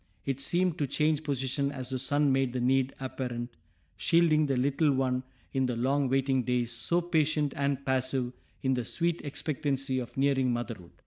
It seemed to change position as the sun made the need apparent, shielding the little one in the long waiting days, so patient and passive in the sweet expectancy of nearing motherhood.